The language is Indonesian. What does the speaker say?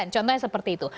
contohnya seperti itu